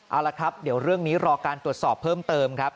เอาละครับเดี๋ยวเรื่องนี้รอการตรวจสอบเพิ่มเติมครับ